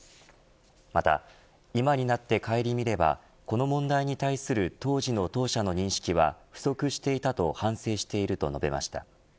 また今になって省みればこの問題に対する当時の当社の認識は不足していたと反省していると述べました。